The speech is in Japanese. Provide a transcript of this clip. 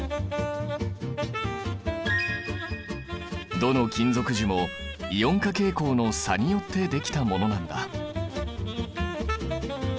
どの金属樹もイオン化傾向の差によって出来たものなんだ。